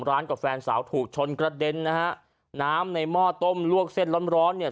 กับแฟนสาวถูกชนกระเด็นนะฮะน้ำในหม้อต้มลวกเส้นร้อนร้อนเนี่ย